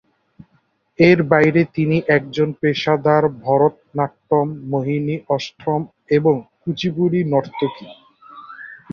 এর বাইরে তিনি একজন পেশাদার ভরতনাট্যম, মোহিনীঅট্টম এবং কুচিপুড়ি নর্তকী।